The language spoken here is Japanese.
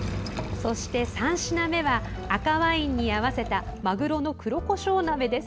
そして、３品目は赤ワインに合わせたまぐろの黒こしょう鍋です。